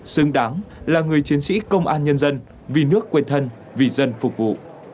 xứng đáng là người chiến sĩ công an nhân dân vì nước quê thân vì dân phục vụ